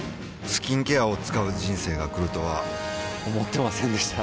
スキンケアを使う人生が来るとは思ってませんでした